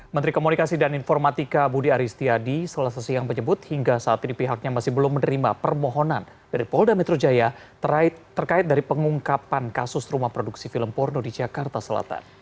menteri komunikasi dan informatika budi aristiadi selesai siang menyebut hingga saat ini pihaknya masih belum menerima permohonan dari polda metro jaya terkait dari pengungkapan kasus rumah produksi film porno di jakarta selatan